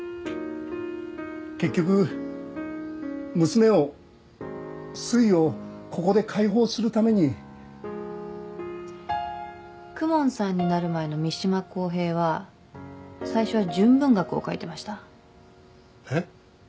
結局娘をすいをここで解放するために公文さんになる前の三島公平は最初は純文学を書いてましたえっ？